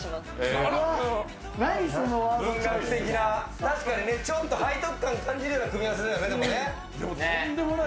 確かにちょっと背徳感を感じるような組み合わせだよね。